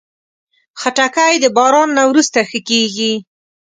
خټکی د باران نه وروسته ښه کېږي.